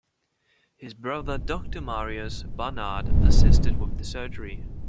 His brother Doctor Marius Barnard assisted with the surgery.